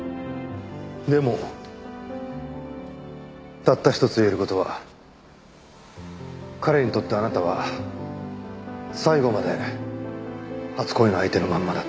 でもたった一つ言える事は彼にとってあなたは最後まで初恋の相手のままだった。